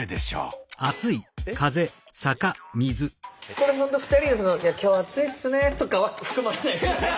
これ２人が「今日暑いっすね」とかは含まれないですよね？